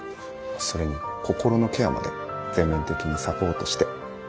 それに心のケアまで全面的にサポートして。